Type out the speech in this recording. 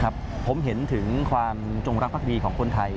ผมเห็นถึงความจงรักภักดีของคนไทย